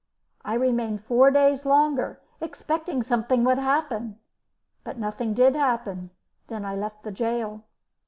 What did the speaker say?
I remained four days longer, expecting something would happen; but nothing did happen, then I left the gaol.